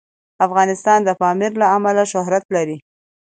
افغانستان د پامیر له امله شهرت لري.